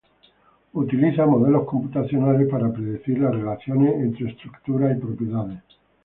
Utiliza modelos computacionales para predecir las relaciones entre estructura y propiedades.